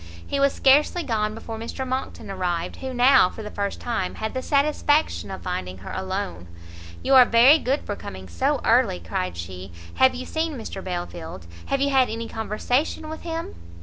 He was scarcely gone before Mr Monckton arrived, who now for the first time had the satisfaction of finding her alone. "You are very good for coming so early," cried she; "have you seen Mr Belfield? Have you had any conversation with him?"